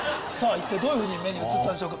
一体どういうふうに目に映ったのでしょうか？